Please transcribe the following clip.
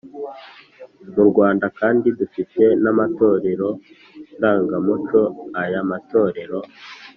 Mu Rwanda kandi dufite n’amatorero ndangamuco. Aya matorero